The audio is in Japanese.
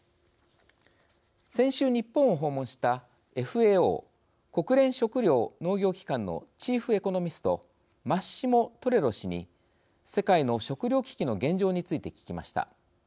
先週、日本を訪問したＦＡＯ＝国連食糧農業機関のチーフエコノミストマッシモ・トレロ氏に世界の食料危機の現状について聞きました。